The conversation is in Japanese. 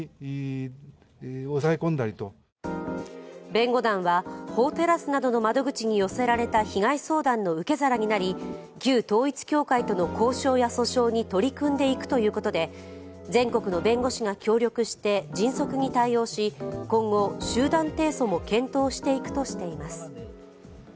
弁護団は、法テラスなどの窓口に寄せられた被害相談の受け皿になり旧統一教会との交渉や訴訟に取り組んでいくということで全国の弁護士が協力して、迅速に対応し、今後、集団提訴も検討していくとしています。